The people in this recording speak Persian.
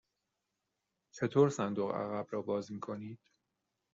چطور صندوق عقب را باز می کنید؟